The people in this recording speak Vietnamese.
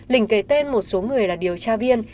lình kể tên một số người là điều tra viên